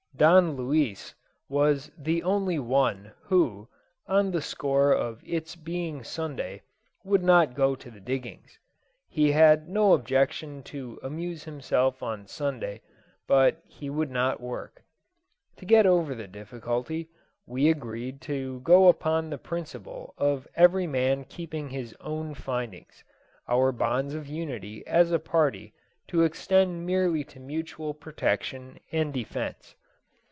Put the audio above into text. Don Luis was the only one who, on the score of its being Sunday, would not go to the diggings. He had no objection to amuse himself on Sunday, but he would not work. To get over the difficulty, we agreed to go upon the principle of every man keeping his own findings, our bonds of unity as a party to extend merely to mutual protection and defence.